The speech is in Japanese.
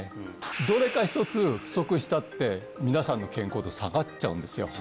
どれか１つ不足したって皆さんの健康度下がっちゃうんですよ